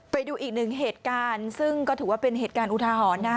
ไปดูอีกหนึ่งเหตุการณ์ซึ่งก็ถือว่าเป็นเหตุการณ์อุทาหรณ์นะฮะ